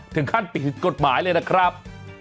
ถึงขั้นผิดกฎหมายเลยนะครับ